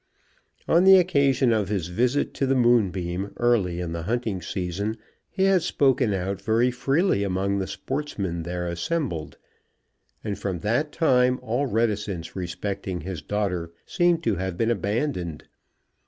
On the occasion of his visit to the Moonbeam early in the hunting season he had spoken out very freely among the sportsmen there assembled; and from that time all reticence respecting his daughter seemed to have been abandoned.